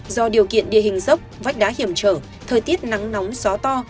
do điều kiện địa hình dốc vách đá hiểm trở thời tiết nắng nóng gió to